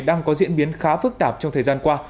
đang có diễn biến khá phức tạp trong thời gian qua